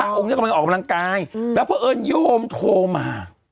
อ๋อพระองค์กำลังออกกำลังกายแล้วพอเอิญโยมโทรมา